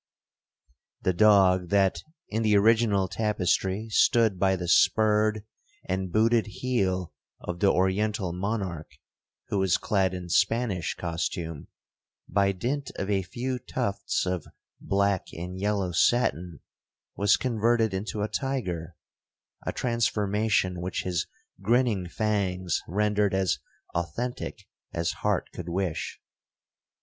The dog that, in the original tapestry, stood by the spurred and booted heel of the oriental monarch, (who was clad in Spanish costume), by dint of a few tufts of black and yellow satin, was converted into a tiger,—a transformation which his grinning fangs rendered as authentic as heart could wish.